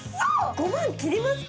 ５万切りますか？